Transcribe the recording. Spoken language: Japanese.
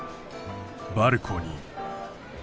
バルコニー。